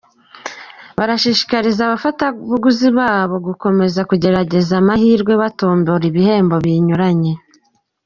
Barashishikariza abafatabuguzi babo gukomeza kugerageza amahirwe batombola ibihembo binyuranye.